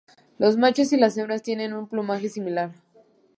Los machos y las hembras tienen un plumaje similar.